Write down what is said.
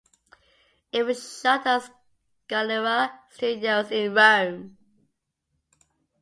It was shot at the Scalera Studios in Rome.